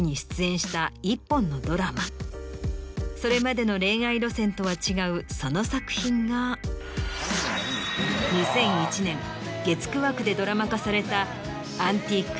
それまでの恋愛路線とは違うその作品が月９枠でドラマ化された。